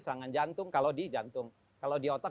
serangan jantung kalau di jantung kalau di otak